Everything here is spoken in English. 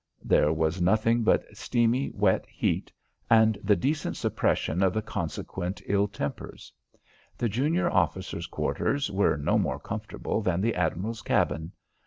There was nothing but steamy wet heat and the decent suppression of the consequent ill tempers. The junior officers' quarters were no more comfortable than the admiral's cabin.